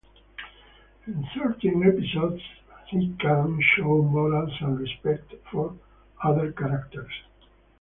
In certain episodes he can show morals and respect for other characters.